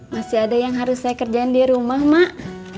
masih ada yang harus saya kerjain di rumah mak